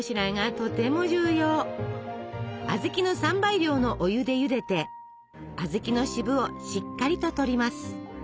小豆の３倍量のお湯でゆでて小豆の渋をしっかりと取ります。